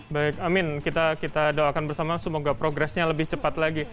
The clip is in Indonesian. baik amin kita doakan bersama semoga progresnya lebih cepat lagi